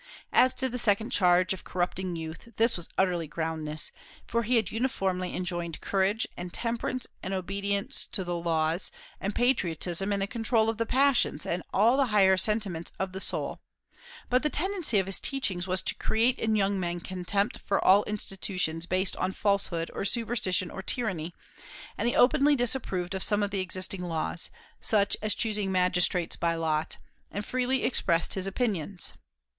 As to the second charge, of corrupting youth, this was utterly groundless; for he had uniformly enjoined courage, and temperance, and obedience to the laws, and patriotism, and the control of the passions, and all the higher sentiments of the soul But the tendency of his teachings was to create in young men contempt for all institutions based on falsehood or superstition or tyranny, and he openly disapproved some of the existing laws, such as choosing magistrates by lot, and freely expressed his opinions.